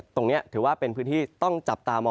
ตรงนี้ถือว่าเป็นพื้นที่ต้องจับตามอง